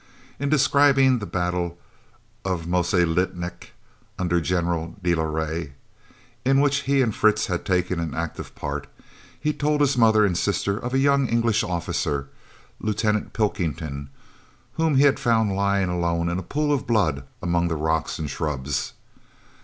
In describing the battle of Moselikatsnek, under General de la Rey, in which he and Fritz had taken an active part, he told his mother and sister of a young English officer, Lieutenant Pilkington, whom he had found lying alone in a pool of blood among the rocks and shrubs.